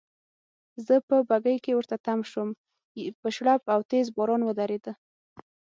زه په بګۍ کې ورته تم شوم، په شړپ او تېز باران وریده.